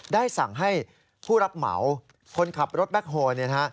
ได้สั่งให้ผู้รับเหมาคนขับรถแบ็คโฮน